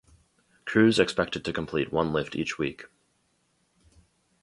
Crews expected to complete one lift each week.